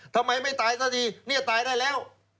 ทำไมไม่ตายซะทีเนี่ยตายได้แล้ว